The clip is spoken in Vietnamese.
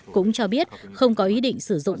cũng cho biết không có ý định sử dụng